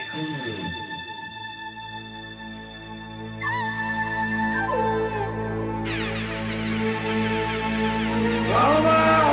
bunuh sekarang santri santri itu